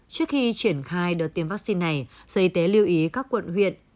trước khi triển khai đợt tiêm vaccine này sở y tế lưu ý các quận huyện